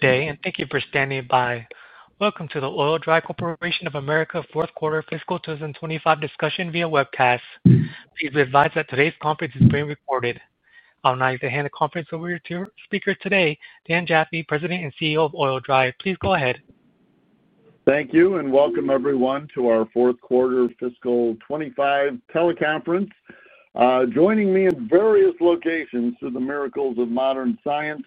Good day, and thank you for standing by. Welcome to the Oil-Dri Corporation of America Fourth Quarter Fiscal 2025 discussion via webcast. Please be advised that today's conference is being recorded. I'll now hand the conference over to our speaker today, Dan Jaffee, President and CEO of Oil-Dri. Please go ahead. Thank you, and welcome everyone to our Fourth Quarter Fiscal 2025 teleconference. Joining me in various locations through the miracles of modern science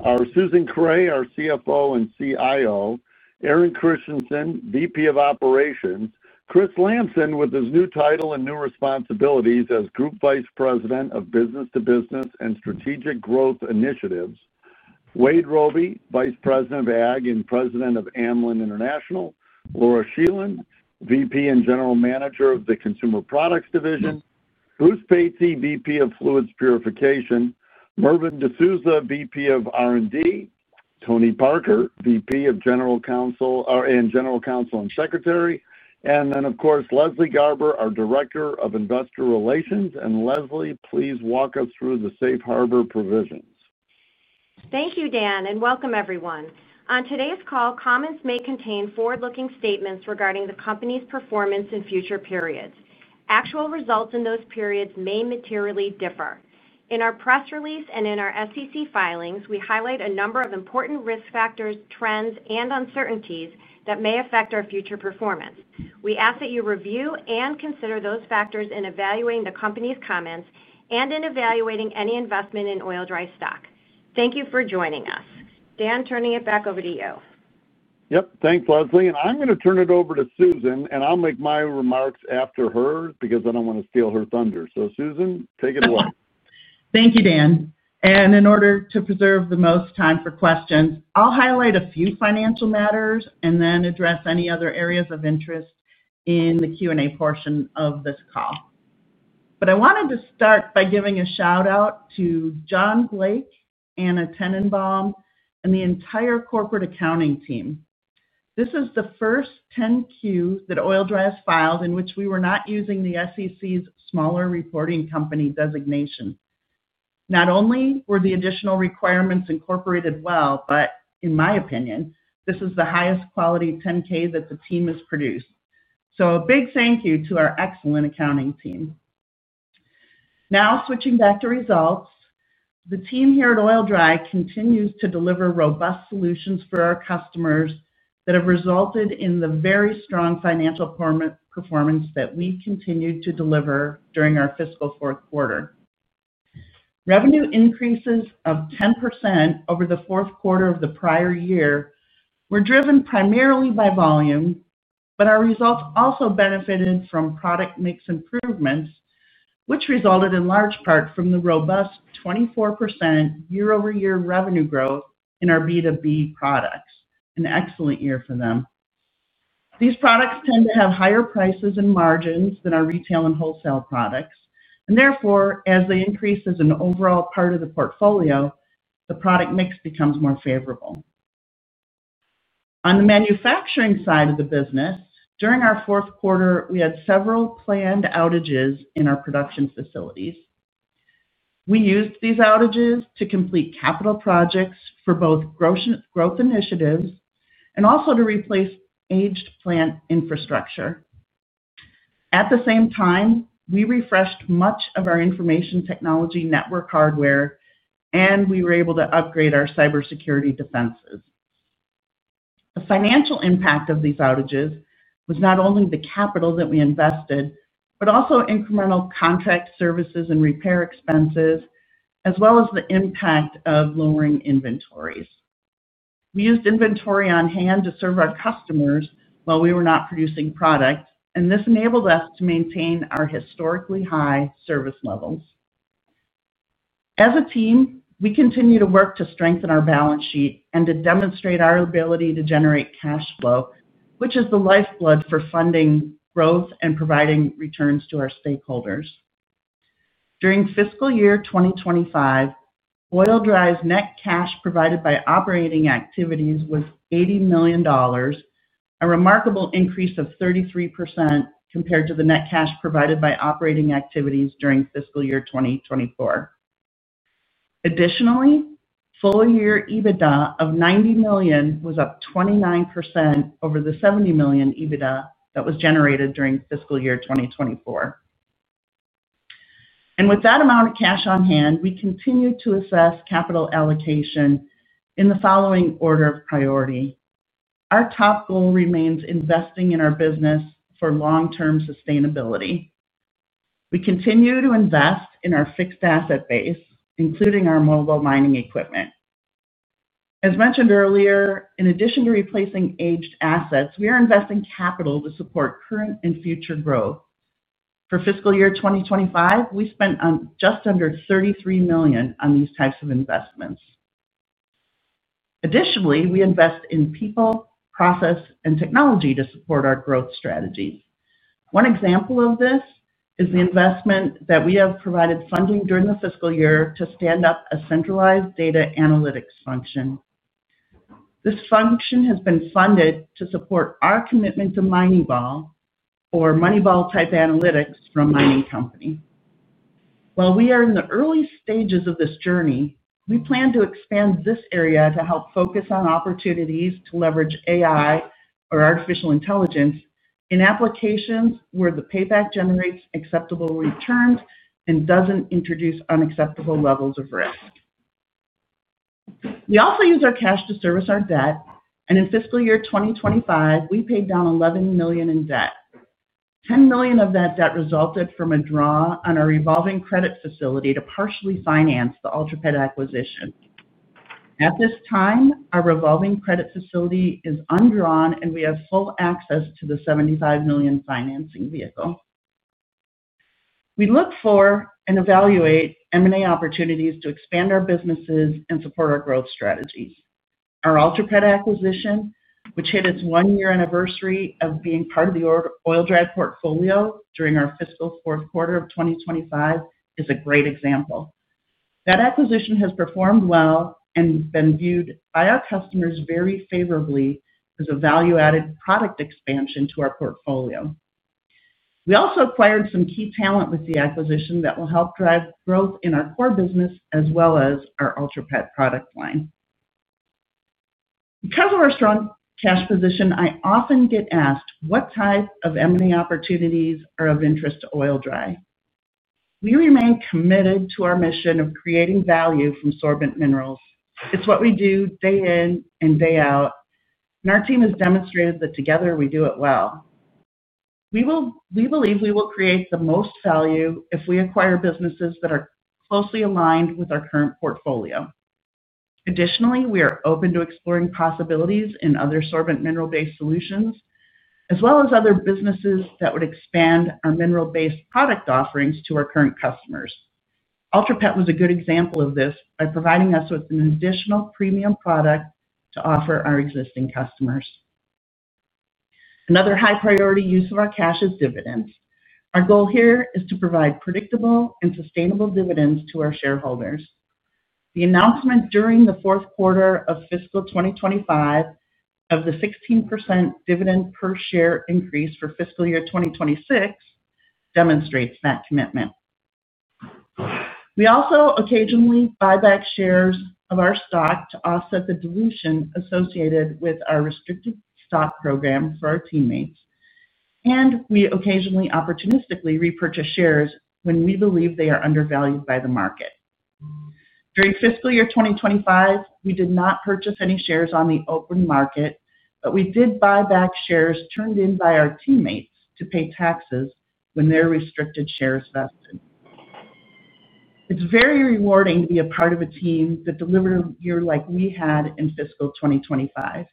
are Susan Kreh, our CFO and CIO, Aaron Christiansen, VP of Operations, Chris Lamson, with his new title and new responsibilities as Group Vice President of Business to Business and Strategic Growth Initiatives, Wade Robey, Vice President of Ag and President of Amlan International, Laura Scheland, VP and General Manager of the Consumer Products Division, Bruce Patsey, VP of Fluids Purification, Mervyn de Souza, VP of R&D, Tony Parker, VP and General Counsel and Secretary, and then, of course, Leslie Garber, our Director of Investor Relations. And Leslie, please walk us through the Safe Harbor provisions. Thank you, Dan, and welcome everyone. On today's call, comments may contain forward-looking statements regarding the company's performance in future periods. Actual results in those periods may materially differ. In our press release and in our SEC filings, we highlight a number of important risk factors, trends, and uncertainties that may affect our future performance. We ask that you review and consider those factors in evaluating the company's comments and in evaluating any investment in Oil-Dri stock. Thank you for joining us. Dan, turning it back over to you. Yep, thanks, Leslie. And I'm going to turn it over to Susan, and I'll make my remarks after her because I don't want to steal her thunder. So, Susan, take it away. Thank you, Dan. And in order to preserve the most time for questions, I'll highlight a few financial matters and then address any other areas of interest in the Q&A portion of this call. But I wanted to start by giving a shout-out to John Blake, Ana Tenenbaum, and the entire corporate accounting team. This is the first 10-Q that Oil-Dri has filed in which we were not using the SEC's smaller reporting company designation. Not only were the additional requirements incorporated well, but in my opinion, this is the highest quality 10-K that the team has produced. So a big thank you to our excellent accounting team. Now, switching back to results, the team here at Oil-Dri continues to deliver robust solutions for our customers that have resulted in the very strong financial performance that we continue to deliver during our fiscal fourth quarter. Revenue increases of 10% over the fourth quarter of the prior year were driven primarily by volume, but our results also benefited from product mix improvements, which resulted in large part from the robust 24% year-over-year revenue growth in our B2B products. An excellent year for them. These products tend to have higher prices and margins than our retail and wholesale products, and therefore, as they increase as an overall part of the portfolio, the product mix becomes more favorable. On the manufacturing side of the business, during our fourth quarter, we had several planned outages in our production facilities. We used these outages to complete capital projects for both growth initiatives and also to replace aged plant infrastructure. At the same time, we refreshed much of our information technology network hardware, and we were able to upgrade our cybersecurity defenses. The financial impact of these outages was not only the capital that we invested, but also incremental contract services and repair expenses, as well as the impact of lowering inventories. We used inventory on hand to serve our customers while we were not producing product, and this enabled us to maintain our historically high service levels. As a team, we continue to work to strengthen our balance sheet and to demonstrate our ability to generate cash flow, which is the lifeblood for funding growth and providing returns to our stakeholders. During fiscal year 2025, Oil-Dri's net cash provided by operating activities was $80 million, a remarkable increase of 33% compared to the net cash provided by operating activities during fiscal year 2024. Additionally, full-year EBITDA of $90 million was up 29% over the $70 million EBITDA that was generated during fiscal year 2024. With that amount of cash on hand, we continue to assess capital allocation in the following order of priority. Our top goal remains investing in our business for long-term sustainability. We continue to invest in our fixed asset base, including our mobile mining equipment. As mentioned earlier, in addition to replacing aged assets, we are investing capital to support current and future growth. For fiscal year 2025, we spent just under $33 million on these types of investments. Additionally, we invest in people, process, and technology to support our growth strategies. One example of this is the investment that we have provided funding during the fiscal year to stand up a centralized data analytics function. This function has been funded to support our commitment to Moneyball, or Moneyball-type analytics from a mining company. While we are in the early stages of this journey, we plan to expand this area to help focus on opportunities to leverage AI, or artificial intelligence, in applications where the payback generates acceptable returns and doesn't introduce unacceptable levels of risk. We also use our cash to service our debt, and in fiscal year 2025, we paid down $11 million in debt. $10 million of that debt resulted from a draw on our revolving credit facility to partially finance the Ultra Pet acquisition. At this time, our revolving credit facility is undrawn, and we have full access to the $75 million financing vehicle. We look for and evaluate M&A opportunities to expand our businesses and support our growth strategies. Our Ultra Pet acquisition, which hit its one-year anniversary of being part of the Oil-Dri portfolio during our fiscal fourth quarter of 2025, is a great example. That acquisition has performed well and been viewed by our customers very favorably as a value-added product expansion to our portfolio. We also acquired some key talent with the acquisition that will help drive growth in our core business as well as our Ultra Pet product line. Because of our strong cash position, I often get asked what type of M&A opportunities are of interest to Oil-Dri. We remain committed to our mission of creating value from sorbent minerals. It's what we do day in and day out, and our team has demonstrated that together we do it well. We believe we will create the most value if we acquire businesses that are closely aligned with our current portfolio. Additionally, we are open to exploring possibilities in other sorbent mineral-based solutions, as well as other businesses that would expand our mineral-based product offerings to our current customers. Ultra Pet was a good example of this by providing us with an additional premium product to offer our existing customers. Another high-priority use of our cash is dividends. Our goal here is to provide predictable and sustainable dividends to our shareholders. The announcement during the fourth quarter of fiscal 2025 of the 16% dividend per share increase for fiscal year 2026 demonstrates that commitment. We also occasionally buy back shares of our stock to offset the dilution associated with our restricted stock program for our teammates, and we occasionally opportunistically repurchase shares when we believe they are undervalued by the market. During fiscal year 2025, we did not purchase any shares on the open market, but we did buy back shares turned in by our teammates to pay taxes when their restricted shares vested. It's very rewarding to be a part of a team that delivered a year like we had in fiscal 2025.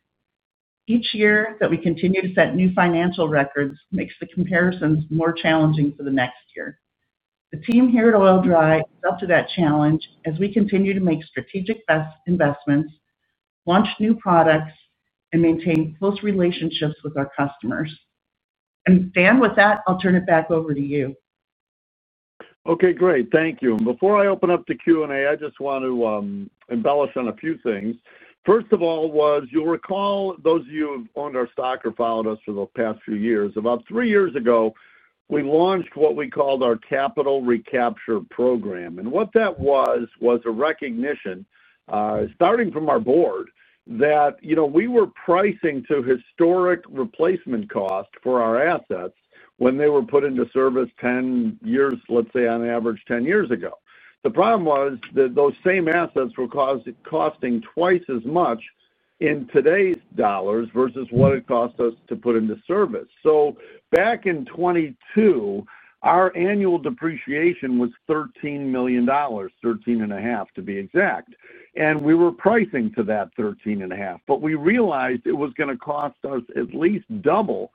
Each year that we continue to set new financial records makes the comparisons more challenging for the next year. The team here at Oil-Dri is up to that challenge as we continue to make strategic investments, launch new products, and maintain close relationships with our customers. And Dan, with that, I'll turn it back over to you. Okay, great. Thank you. Before I open up to Q&A, I just want to embellish on a few things. First of all, you'll recall those of you who have owned our stock or followed us for the past few years. About three years ago, we launched what we called our capital recapture program. And what that was, was a recognition starting from our board that we were pricing to historic replacement costs for our assets when they were put into service 10 years, let's say on average 10 years ago. The problem was that those same assets were costing twice as much in today's dollars versus what it cost us to put into service. So back in 2022, our annual depreciation was $13 million, $13.5 million, to be exact. And we were pricing to that $13.5 million. But we realized it was going to cost us at least double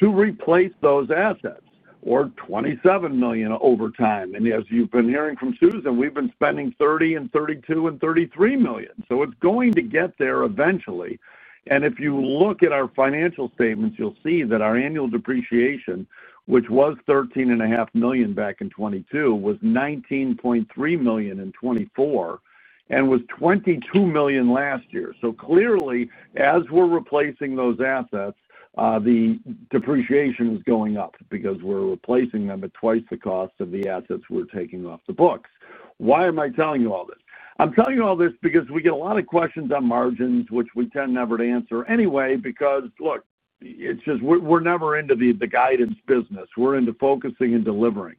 to replace those assets, or $27 million over time. And as you've been hearing from Susan, we've been spending $30, $32, and $33 million. So it's going to get there eventually. And if you look at our financial statements, you'll see that our annual depreciation, which was $13.5 million back in 2022, was $19.3 million in 2024 and was $22 million last year. So clearly, as we're replacing those assets, the depreciation is going up because we're replacing them at twice the cost of the assets we're taking off the books. Why am I telling you all this? I'm telling you all this because we get a lot of questions on margins, which we tend never to answer anyway because, look, we're never into the guidance business. We're into focusing and delivering.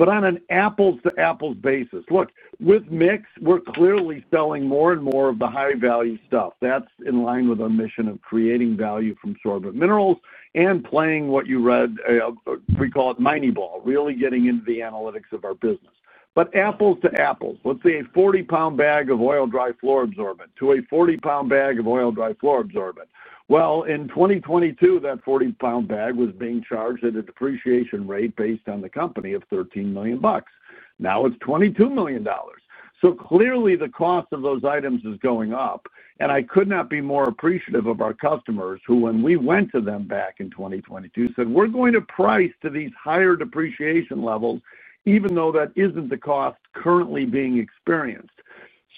But on an apples-to-apples basis, look, with mix, we're clearly selling more and more of the high-value stuff. That's in line with our mission of creating value from sorbent minerals and playing what you read, we call it Moneyball, really getting into the analytics of our business. But apples-to-apples, let's say a 40-pound bag of Oil-Dri floor absorbent to a 40-pound bag of Oil-Dri floor absorbent. Well, in 2022, that 40-pound bag was being charged at a depreciation rate based on the company of $13 million. Now it's $22 million. So clearly, the cost of those items is going up. And I could not be more appreciative of our customers who, when we went to them back in 2022, said, "We're going to price to these higher depreciation levels even though that isn't the cost currently being experienced."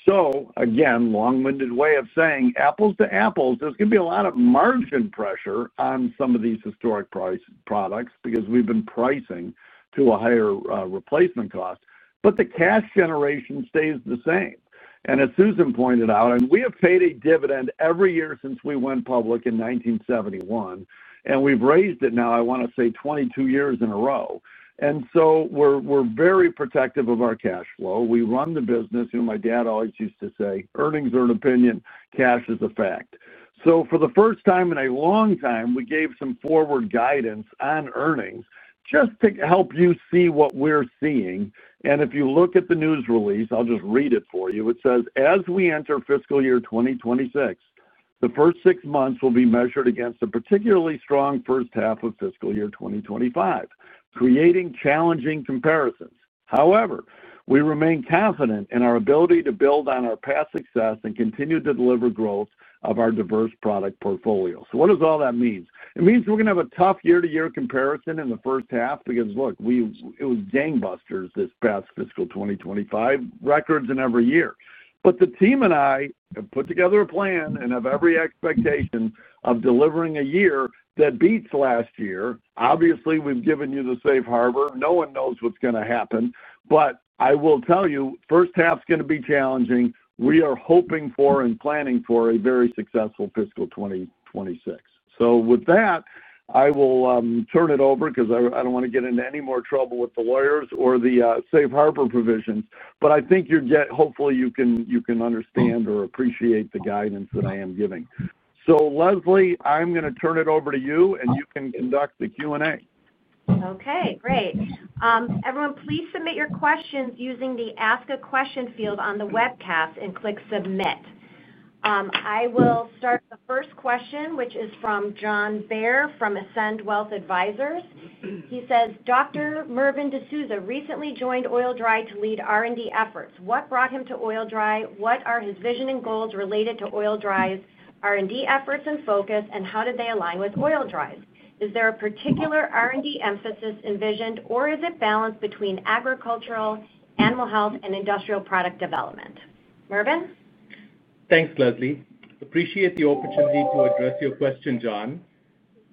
So again, long-winded way of saying, apples-to-apples, there's going to be a lot of margin pressure on some of these historic products because we've been pricing to a higher replacement cost. But the cash generation stays the same. And as Susan pointed out, we have paid a dividend every year since we went public in 1971, and we've raised it now, I want to say, 22 years in a row. And so we're very protective of our cash flow. We run the business. My dad always used to say, "Earnings are an opinion. Cash is a fact," so for the first time in a long time, we gave some forward guidance on earnings just to help you see what we're seeing, and if you look at the news release, I'll just read it for you. It says, "As we enter fiscal year 2026, the first six months will be measured against a particularly strong first half of fiscal year 2025, creating challenging comparisons. However, we remain confident in our ability to build on our past success and continue to deliver growth of our diverse product portfolio," so what does all that mean? It means we're going to have a tough year-to-year comparison in the first half because, look, it was gangbusters this past fiscal 2025, records in every year, but the team and I have put together a plan and have every expectation of delivering a year that beats last year. Obviously, we've given you the safe harbor. No one knows what's going to happen. But I will tell you, first half is going to be challenging. We are hoping for and planning for a very successful fiscal 2026. So with that, I will turn it over because I don't want to get into any more trouble with the lawyers or the safe harbor provisions. But I think hopefully you can understand or appreciate the guidance that I am giving. So Leslie, I'm going to turn it over to you, and you can conduct the Q&A. Okay, great. Everyone, please submit your questions using the Ask a Question field on the webcast and click Submit. I will start with the first question, which is from John Bair from Ascend Wealth Advisors. He says, "Dr. Mervyn de Souza recently joined Oil-Dri to lead R&D efforts. What brought him to Oil-Dri? What are his vision and goals related to Oil-Dri's R&D efforts and focus, and how did they align with Oil-Dri's? Is there a particular R&D emphasis envisioned, or is it balanced between agricultural, animal health, and industrial product development?" Mervyn? Thanks, Leslie. Appreciate the opportunity to address your question, John.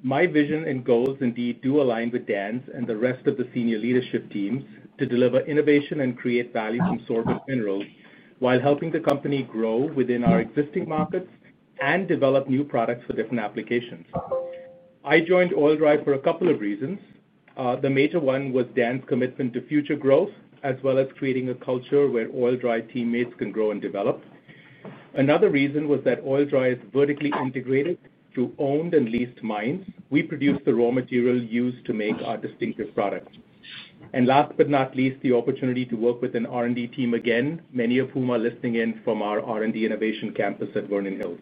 My vision and goals indeed do align with Dan's and the rest of the senior leadership teams to deliver innovation and create value from sorbent minerals while helping the company grow within our existing markets and develop new products for different applications. I joined Oil-Dri for a couple of reasons. The major one was Dan's commitment to future growth, as well as creating a culture where Oil-Dri teammates can grow and develop. Another reason was that Oil-Dri is vertically integrated through owned and leased mines. We produce the raw material used to make our distinctive product. And last but not least, the opportunity to work with an R&D team again, many of whom are listening in from our R&D Innovation Campus at Vernon Hills.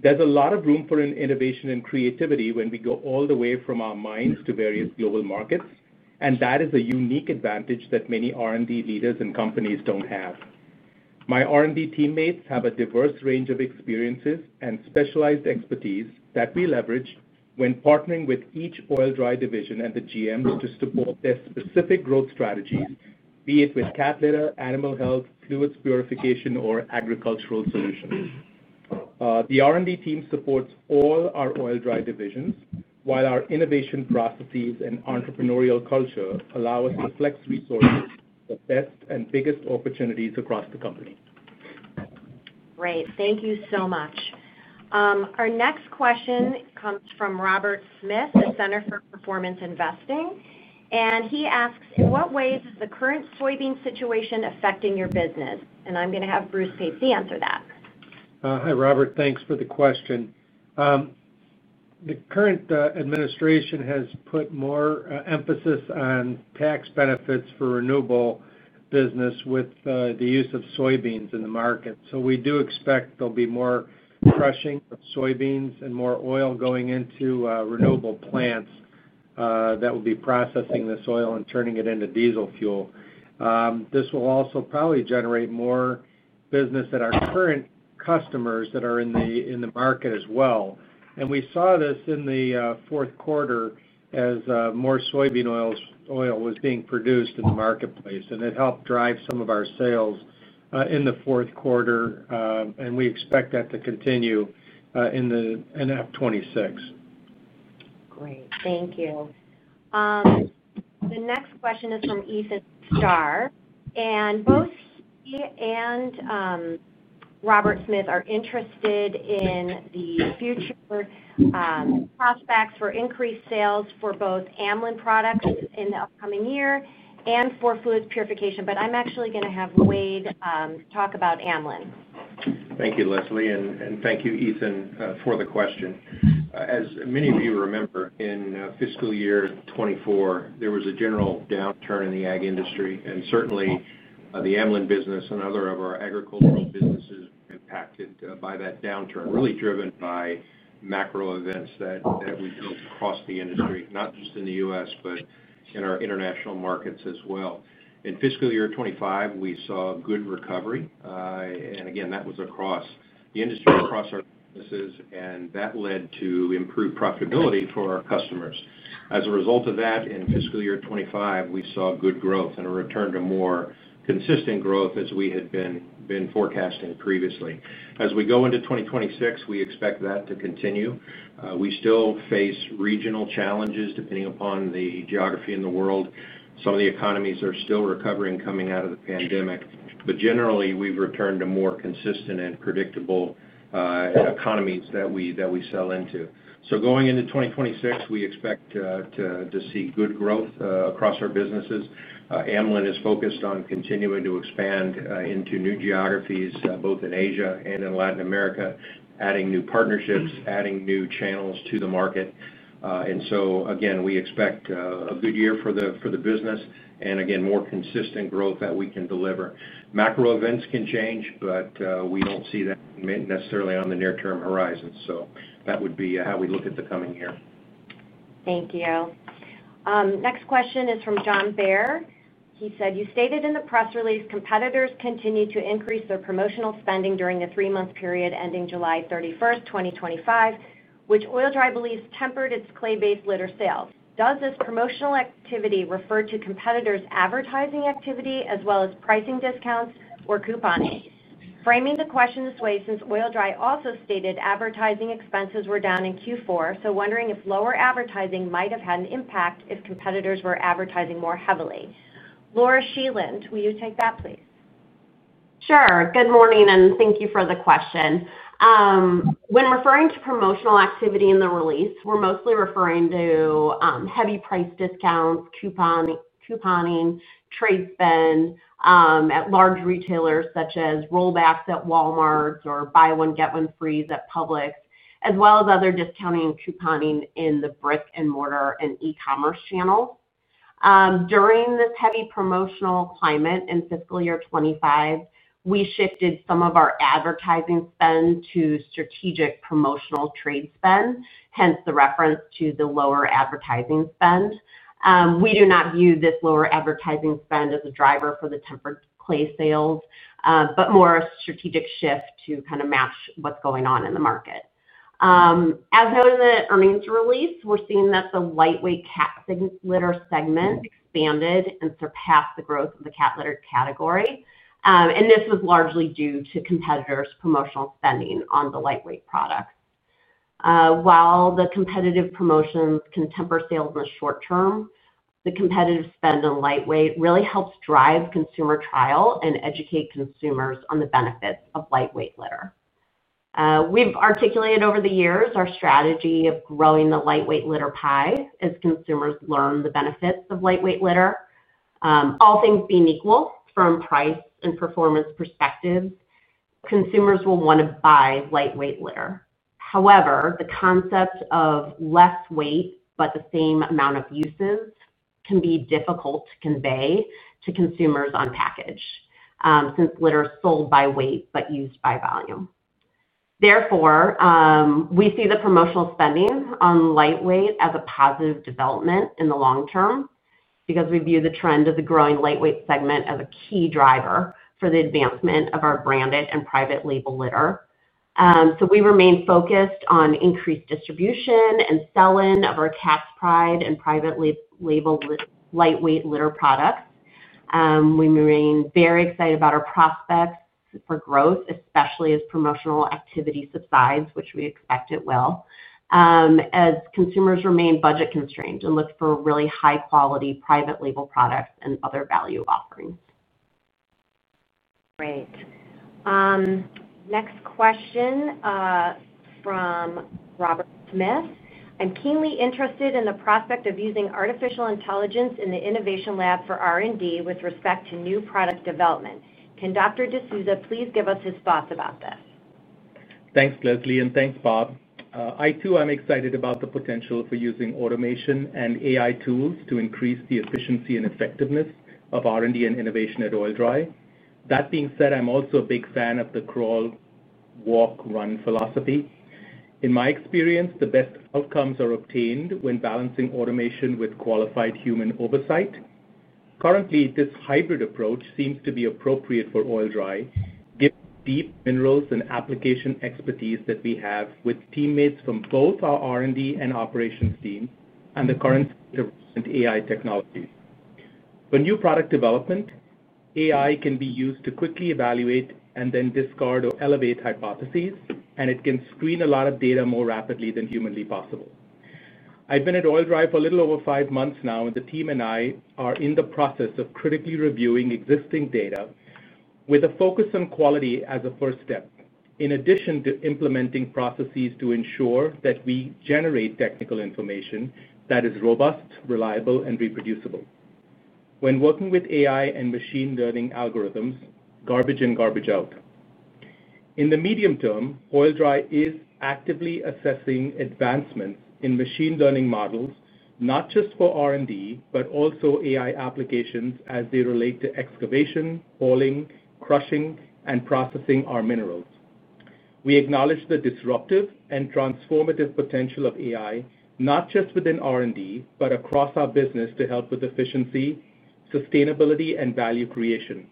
There's a lot of room for innovation and creativity when we go all the way from our mines to various global markets, and that is a unique advantage that many R&D leaders and companies don't have. My R&D teammates have a diverse range of experiences and specialized expertise that we leverage when partnering with each Oil-Dri division and the GMs to support their specific growth strategies, be it with cat litter animal health, fluids purification, or agricultural solutions. The R&D team supports all our Oil-Dri divisions, while our innovation processes and entrepreneurial culture allow us to flex resources to best and biggest opportunities across the company. Great. Thank you so much. Our next question comes from Robert Smith, the Center for Performance Investing. And he asks, "In what ways is the current soybean situation affecting your business?" And I'm going to have Bruce Patsey answer that. Hi, Robert. Thanks for the question. The current administration has put more emphasis on tax benefits for renewable business with the use of soybeans in the market, so we do expect there'll be more crushing of soybeans and more oil going into renewable plants that will be processing this oil and turning it into diesel fuel. This will also probably generate more business at our current customers that are in the market as well, and we saw this in the fourth quarter as more soybean oil was being produced in the marketplace, and it helped drive some of our sales in the fourth quarter, and we expect that to continue in FY 2026. Great. Thank you. The next question is from Ethan Starr. And both he and Robert Smith are interested in the future prospects for increased sales for both Amlan products in the upcoming year and for fluids purification. But I'm actually going to have Wade talk about Amlan. Thank you, Leslie, and thank you, Ethan, for the question. As many of you remember, in fiscal year 2024, there was a general downturn in the ag industry, and certainly the Amlan business and other of our agricultural businesses were impacted by that downturn, really driven by macro events that we felt across the industry, not just in the U.S., but in our international markets as well. In fiscal year 2025, we saw good recovery, and again, that was across the industry, across our businesses, and that led to improved profitability for our customers. As a result of that, in fiscal year 2025, we saw good growth and a return to more consistent growth as we had been forecasting previously. As we go into 2026, we expect that to continue. We still face regional challenges depending upon the geography in the world. Some of the economies are still recovering coming out of the pandemic. But generally, we've returned to more consistent and predictable economies that we sell into. So going into 2026, we expect to see good growth across our businesses. Amlan is focused on continuing to expand into new geographies, both in Asia and in Latin America, adding new partnerships, adding new channels to the market. And so again, we expect a good year for the business and again, more consistent growth that we can deliver. Macro events can change, but we don't see that necessarily on the near-term horizon. So that would be how we look at the coming year. Thank you. Next question is from John Bair. He said, "You stated in the press release, competitors continue to increase their promotional spending during the three-month period ending July 31st, 2025, which Oil-Dri believes tempered its clay-based litter sales. Does this promotional activity refer to competitors' advertising activity as well as pricing discounts or coupons? Framing the question this way, since Oil-Dri also stated advertising expenses were down in Q4, so wondering if lower advertising might have had an impact if competitors were advertising more heavily." Laura Scheland, will you take that, please? Sure. Good morning, and thank you for the question. When referring to promotional activity in the release, we're mostly referring to heavy price discounts, couponing, trade spend at large retailers such as rollbacks at Walmart's or buy-one-get-one-free at Publix, as well as other discounting and couponing in the brick-and-mortar and e-commerce channels. During this heavy promotional climate in fiscal year 2025, we shifted some of our advertising spend to strategic promotional trade spend, hence the reference to the lower advertising spend. We do not view this lower advertising spend as a driver for the tempered clay sales, but more a strategic shift to kind of match what's going on in the market. As noted in the earnings release, we're seeing that the lightweight cat litter segment expanded and surpassed the growth of the cat litter category. This was largely due to competitors' promotional spending on the lightweight products. While the competitive promotions can temper sales in the short term, the competitive spend on lightweight really helps drive consumer trial and educate consumers on the benefits of lightweight litter. We've articulated over the years our strategy of growing the lightweight litter pie as consumers learn the benefits of lightweight litter. All things being equal, from price and performance perspectives, consumers will want to buy lightweight litter. However, the concept of less weight but the same amount of uses can be difficult to convey to consumers on package since litter is sold by weight but used by volume. Therefore, we see the promotional spending on lightweight as a positive development in the long term because we view the trend of the growing lightweight segment as a key driver for the advancement of our branded and private label litter. So we remain focused on increased distribution and selling of our Cat's Pride and private label lightweight litter products. We remain very excited about our prospects for growth, especially as promotional activity subsides, which we expect it will, as consumers remain budget constrained and look for really high-quality private label products and other value offerings. Great. Next question from Robert Smith. "I'm keenly interested in the prospect of using artificial intelligence in the innovation lab for R&D with respect to new product development. Can Dr. de Souza please give us his thoughts about this? Thanks, Leslie, and thanks, Bob. I too am excited about the potential for using automation and AI tools to increase the efficiency and effectiveness of R&D and innovation at Oil-Dri. That being said, I'm also a big fan of the crawl, walk, run philosophy. In my experience, the best outcomes are obtained when balancing automation with qualified human oversight. Currently, this hybrid approach seems to be appropriate for Oil-Dri given the deep minerals and application expertise that we have with teammates from both our R&D and operations teams and the current state of recent AI technologies. For new product development, AI can be used to quickly evaluate and then discard or elevate hypotheses, and it can screen a lot of data more rapidly than humanly possible. I've been at Oil-Dri for a little over five months now, and the team and I are in the process of critically reviewing existing data with a focus on quality as a first step, in addition to implementing processes to ensure that we generate technical information that is robust, reliable, and reproducible. When working with AI and machine learning algorithms, garbage in, garbage out. In the medium term, Oil-Dri is actively assessing advancements in machine learning models, not just for R&D, but also AI applications as they relate to excavation, hauling, crushing, and processing our minerals. We acknowledge the disruptive and transformative potential of AI, not just within R&D, but across our business to help with efficiency, sustainability, and value creation.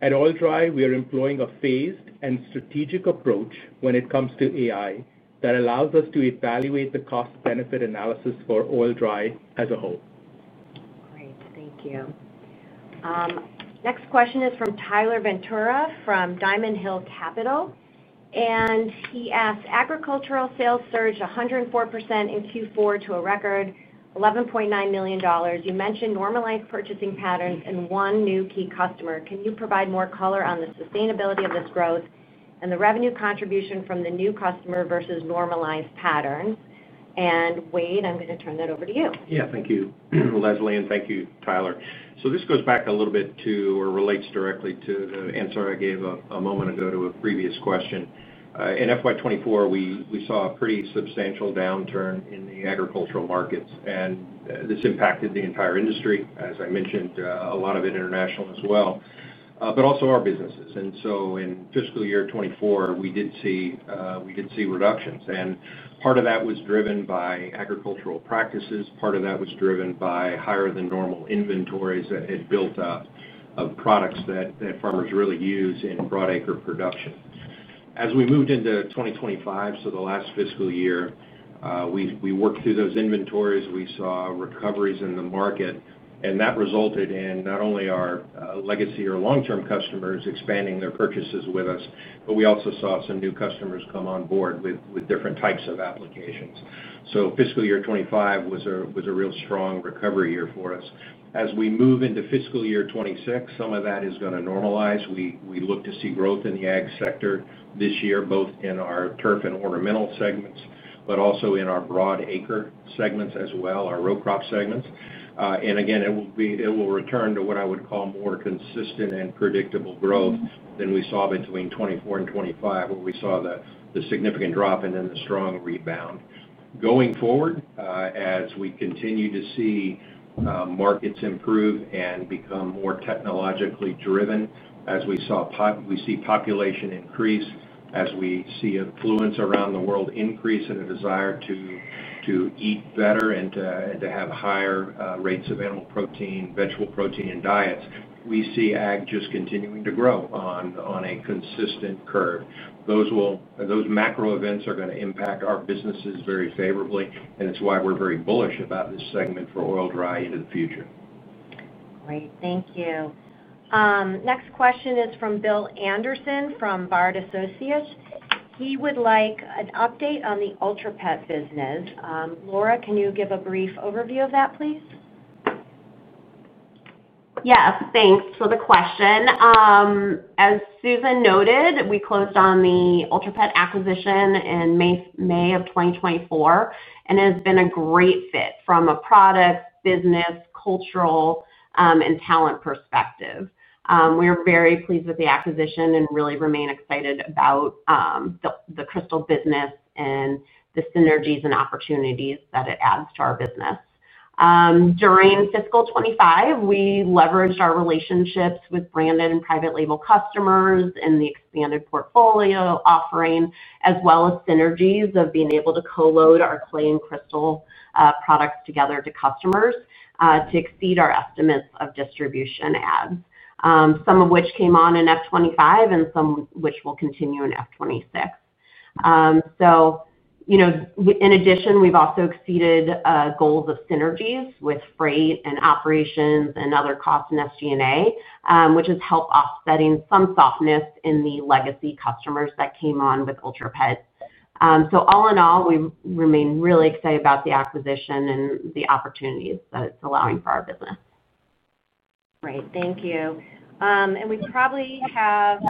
At Oil-Dri, we are employing a phased and strategic approach when it comes to AI that allows us to evaluate the cost-benefit analysis for Oil-Dri as a whole. Great. Thank you. Next question is from Tyler Ventura from Diamond Hill Capital. And he asked, "Agricultural sales surge 104% in Q4 to a record $11.9 million. You mentioned normalized purchasing patterns and one new key customer. Can you provide more color on the sustainability of this growth and the revenue contribution from the new customer versus normalized patterns?" And Wade, I'm going to turn that over to you. Yeah, thank you, Leslie, and thank you, Tyler. So this goes back a little bit to or relates directly to the answer I gave a moment ago to a previous question. In FY 2024, we saw a pretty substantial downturn in the agricultural markets, and this impacted the entire industry, as I mentioned, a lot of it international as well, but also our businesses. And so in fiscal year 2024, we did see reductions. And part of that was driven by agricultural practices. Part of that was driven by higher-than-normal inventories that had built up of products that farmers really use in broadacre production. As we moved into 2025, so the last fiscal year, we worked through those inventories. We saw recoveries in the market, and that resulted in not only our legacy or long-term customers expanding their purchases with us, but we also saw some new customers come on board with different types of applications, so fiscal year 2025 was a real strong recovery year for us. As we move into fiscal year 2026, some of that is going to normalize. We look to see growth in the ag sector this year, both in our turf and ornamental segments, but also in our broadacre segments as well, our row crop segments, and again, it will return to what I would call more consistent and predictable growth than we saw between 2024 and 2025, where we saw the significant drop and then the strong rebound. Going forward, as we continue to see markets improve and become more technologically driven, as we see population increase, as we see affluence around the world increase and a desire to eat better and to have higher rates of animal protein, vegetable protein, and diets, we see ag just continuing to grow on a consistent curve. Those macro events are going to impact our businesses very favorably, and it's why we're very bullish about this segment for Oil-Dri into the future. Great. Thank you. Next question is from Bill Anderson from Bard Associates. He would like an update on the Ultra Pet business. Laura, can you give a brief overview of that, please? Yes, thanks for the question. As Susan noted, we closed on the Ultra Pet acquisition in May of 2024, and it has been a great fit from a product, business, cultural, and talent perspective. We are very pleased with the acquisition and really remain excited about the Crystal business and the synergies and opportunities that it adds to our business. During fiscal 2025, we leveraged our relationships with branded and private label customers and the expanded portfolio offering, as well as synergies of being able to co-load our clay and crystal products together to customers to exceed our estimates of distribution adds, some of which came on in FY 2025 and some of which will continue in FY 2026. So in addition, we've also exceeded goals of synergies with freight and operations and other costs in SG&A, which has helped offsetting some softness in the legacy customers that came on with Ultra Pet's. So all in all, we remain really excited about the acquisition and the opportunities that it's allowing for our business. Great. Thank you, and we probably have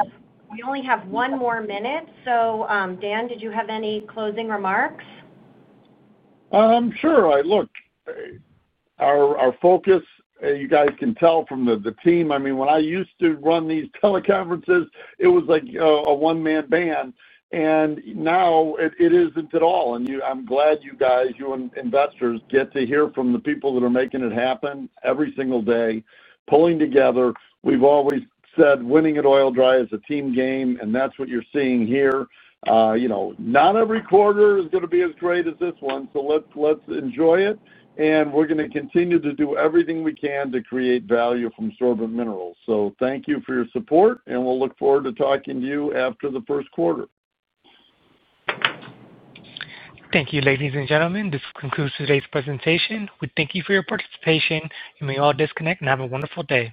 only one more minute, so Dan, did you have any closing remarks? Sure. Look, our focus, you guys can tell from the team, I mean, when I used to run these teleconferences, it was like a one-man band, and now it isn't at all, and I'm glad you guys, you investors, get to hear from the people that are making it happen every single day, pulling together. We've always said winning at Oil-Dri is a team game, and that's what you're seeing here. Not every quarter is going to be as great as this one, so let's enjoy it, and we're going to continue to do everything we can to create value from sorbent minerals, so thank you for your support, and we'll look forward to talking to you after the first quarter. Thank you, ladies and gentlemen. This concludes today's presentation. We thank you for your participation. You may all disconnect and have a wonderful day.